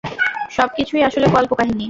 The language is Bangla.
সবকিছুই আসলে কল্প কাহিনী!